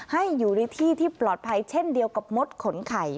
ให้อยู่ในที่ที่ปลอดภัยเช่นเดียวกับมดขนไข่